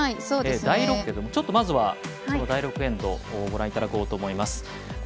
第６エンドのところですがちょっとまず、その第６エンドご覧いただこうと思います。